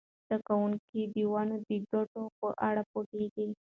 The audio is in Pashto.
زده کوونکي د ونو د ګټو په اړه پوهیږي.